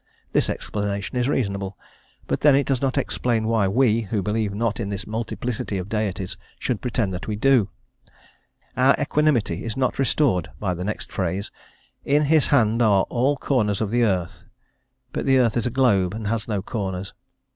This explanation is reasonable, but then it does not explain why we, who believe not in this multiplicity of deities should pretend that we do. Our equanimity is not restored by the next phrase, "In his hand are all the corners of the earth;" but the earth is a globe, and has no corners.